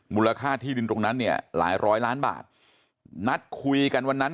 มูลค่าที่ดินตรงนั้นเนี่ยหลายร้อยล้านบาทนัดคุยกันวันนั้น